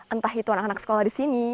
entah itu anak anak sekolah di sini